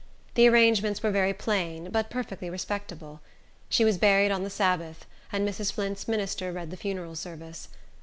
The arrangements were very plain, but perfectly respectable. She was buried on the Sabbath, and Mrs. Flint's minister read the funeral service.